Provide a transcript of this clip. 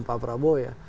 terhadap pak prabowo ya